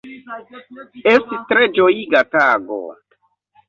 Estis tre ĝojiga tago.